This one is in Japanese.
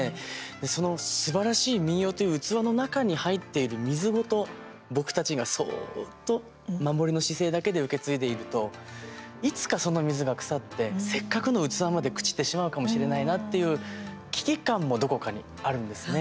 そのすばらしい民謡という器の中に入っている水ごと僕たちが、そうっと守りの姿勢だけで受け継いでいるといつか、その水が腐ってせっかくの器まで朽ちてしまうかもしれないなっていう危機感もどこかにあるんですね。